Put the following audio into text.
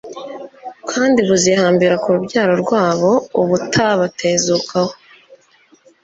kandi buzihambira ku rubyaro rwabo ubutabatezukaho